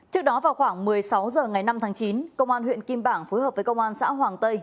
trước đó vào khoảng một mươi sáu h ngày năm tháng chín công an huyện kim bảng phối hợp với công an xã hoàng tây